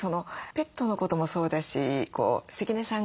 ペットのこともそうだし関根さん